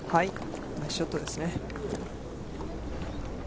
ナイスショットですね。